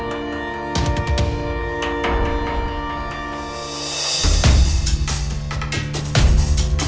ibu aku hidup disini